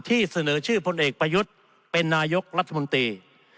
เสนอชื่อพลเอกประยุทธ์เป็นนายกรัฐมนตรี